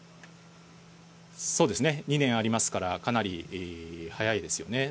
そうですね、２年ありますから、かなり早いですよね。